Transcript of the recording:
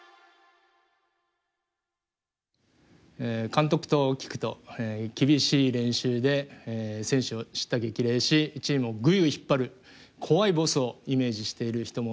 監督と聞くと厳しい練習で選手を叱咤激励しチームをぐいぐい引っ張る怖いボスをイメージしている人もいると思います。